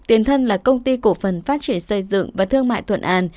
tiền thân là công ty cổ phần phát triển xây dựng và thương mại thuận an